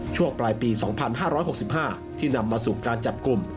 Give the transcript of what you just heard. ช่วงปลายปี๒๕๖๕ที่นำมาสู่การจับกลุ่ม